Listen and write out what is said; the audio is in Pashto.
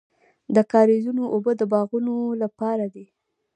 د کاریزونو اوبه د باغونو لپاره دي.